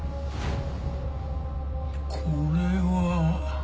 これは。